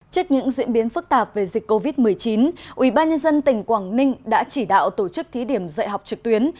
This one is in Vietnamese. trước những diễn biến phức tạp về dịch covid một mươi chín ubnd tỉnh quảng ninh đã chỉ đạo tổ chức thí điểm dạy học trực tuyến